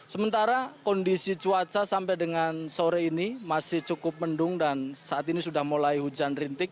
sementara kondisi cuaca sampai dengan sore ini masih cukup mendung dan saat ini sudah mulai hujan rintik